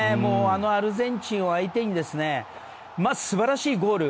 あのアルゼンチンを相手に素晴らしいゴール。